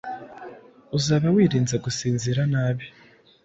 uzaba wirinze gusinzira nabi